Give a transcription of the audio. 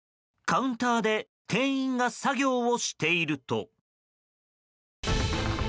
カウンターで店員が作業をしていると。